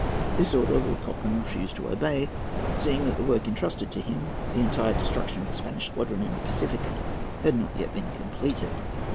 This order Lord Cochrane refused to obey, seeing that the work entrusted to him—the entire destruction of the Spanish squadron in the Pacific—had not yet been completed.